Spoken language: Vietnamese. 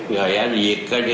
gây án diệt